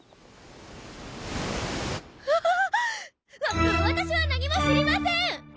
わ私は何も知りません！